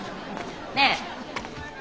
ねえ。